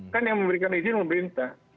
kan yang memberikan izin pemerintah